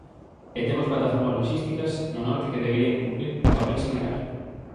E temos plataformas loxísticas no norte que deberían cumprir un papel similar.